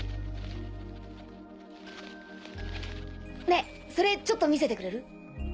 ねぇそれちょっと見せてくれる？